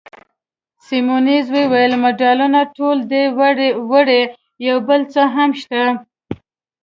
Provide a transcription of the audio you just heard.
سیمونز وویل: مډالونه ټول ده وړي، یو بل څه هم شته.